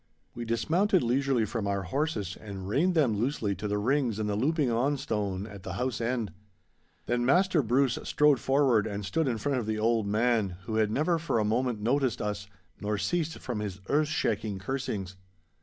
We dismounted leisurely from our horses, and reined them loosely to the rings in the louping on stone at the house end. Then Maister Bruce strode forward and stood in front of the old man, who had never for a moment noticed us nor ceased from his earth shaking cursings.